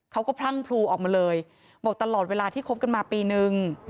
พรั่งพลูออกมาเลยบอกตลอดเวลาที่คบกันมาปีนึง